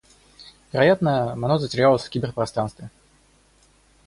Вероятно, оно затерялось в киберпространстве.